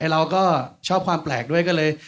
เราก็ชอบความแปลกด้วยก็เลย